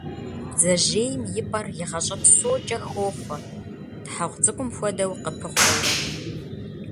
Бдзэжьейм и пӏэр и гъащӏэ псокӏэ хохъуэ, тхьэгъу цӏыкӏум хуэдэу къыпыхъуэурэ.